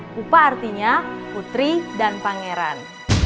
pupa artinya putri dan pangeran